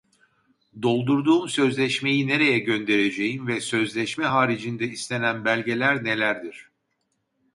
Doldurduğum sözleşmeyi nereye göndereceğim ve sözleşme haricinde istenen belgeler nelerdir